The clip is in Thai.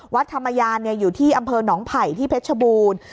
วัดธรรมยานอยู่ที่อำเภอหนองไผ่ที่เพชรชบูรณ์